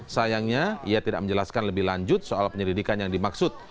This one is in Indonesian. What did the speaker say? sayangnya ia tidak menjelaskan lebih lanjut soal penyelidikan yang dimaksud